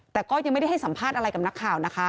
แต่ก็ยังไม่ได้ให้สัมภาษณ์อะไรกับนักข่าวนะคะ